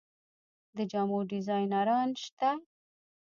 د جامو ډیزاینران شته؟